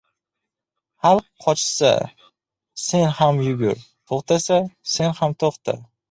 • Xalq qochsa sen ham yugur, to‘xtasa sen ham to‘xta.